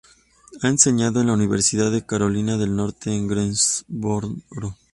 Ha enseñado en la universidad de Carolina del Norte en Greensboro.